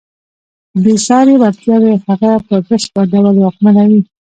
بېساري وړتیاوې هغه په بشپړ ډول واکمنوي.